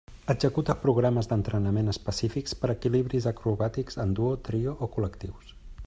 Executa programes d'entrenament específics per equilibris acrobàtics en duo, trio o col·lectius.